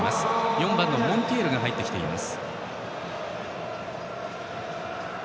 ４番のモンティエルが入ってきています。